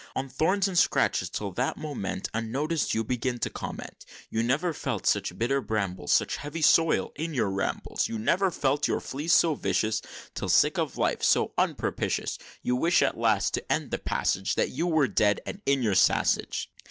On thorns and scratches, till that moment Unnoticed, you begin to comment; You never felt such bitter brambles, Such heavy soil, in all your rambles! You never felt your fleas so vicious! Till, sick of life so unpropitious, You wish at last, to end the passage, That you were dead, and in your sassage!"